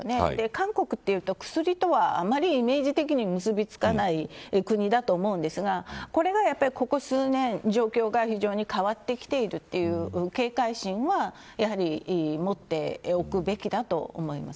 韓国というと薬とはあんまりイメージ的に結び付かない国だと思うんですがこれが、ここ数年状況が非常に変わってきているという警戒心は、やはり持っておくべきだと思います。